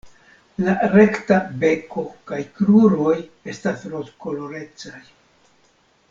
La rekta beko kaj kruroj estas rozkolorecaj.